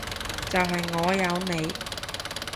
就係我有你